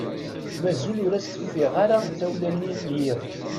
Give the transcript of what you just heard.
Mazal ur as-teffiɣ ara tawla-nni n yiḍ.